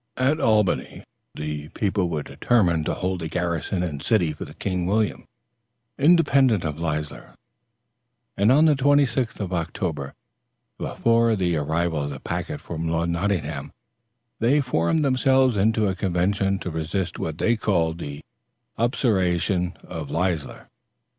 At Albany, the people were determined to hold the garrison and city for King William, independent of Leisler, and on the 26th of October, before the arrival of the packet from Lord Nottingham, they formed themselves into a convention to resist what they called the usurpation of Leisler.